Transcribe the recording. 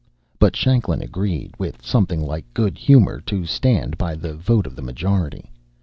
But Shanklin agreed, with something like good humor, to stand by the vote of the majority.